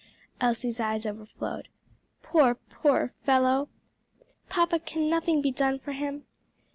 Elsie's eyes overflowed. "Poor, poor fellow! Papa, can nothing be done for him?"